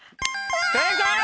正解！